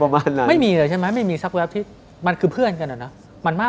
มันคือเพื่อนกันเหรอเนอะมันมากกว่าเพื่อนซึ่งได้ซ้ำ